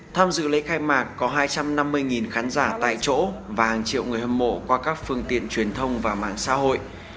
tham dự lễ khai mạc có hai trăm năm mươi khán giả tại chỗ và hàng triệu người hâm mộ qua các phương tiện truyền thông và mạng xã hội